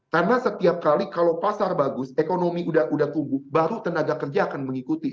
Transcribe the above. karena setiap kali kalau pasar bagus ekonomi udah tunggu baru tenaga kerja akan mengikuti